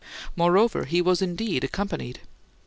Moreover, he was indeed accompanied.